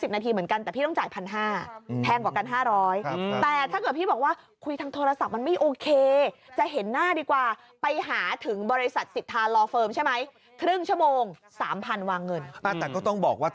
๒๐นาทีจ่าย๑๐๐๐บาทอันนี้ถ้าเป็นลูกน้องนะ